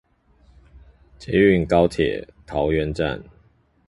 捷運高鐵桃園站